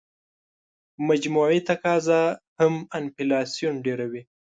مجموعي تقاضا هم انفلاسیون ډېروي.